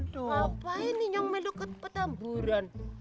ngapain inyong meluk ket petamburan